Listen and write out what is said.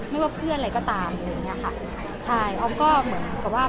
ไม่ว่าเพื่อนอะไรก็ตามออกก็มีใจเป็นสิทธิฟันของเขา